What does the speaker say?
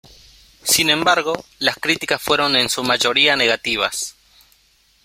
Sin embargo, las críticas fueron en su mayoría negativas.